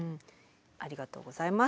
ありがとうございます。